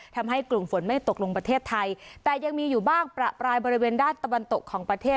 ทำให้กลุ่มฝนไม่ตกลงประเทศไทยแต่ยังมีอยู่บ้างประปรายบริเวณด้านตะวันตกของประเทศ